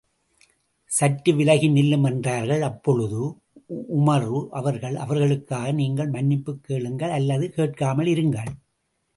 சற்று விலகி நில்லும். என்றார்கள், அப்பொழுது, உமறு அவர்கள், அவர்களுக்காக நீங்கள் மன்னிப்புக் கேளுங்கள் அல்லது கேட்காமல் இருங்கள்.